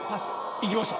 いきました？